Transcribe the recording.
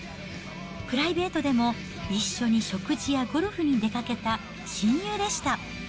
プライベートでも一緒に食事やゴルフに出かけた親友でした。